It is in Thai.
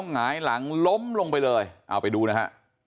หล่มลงไปเลยเอาไปดูนะฮะ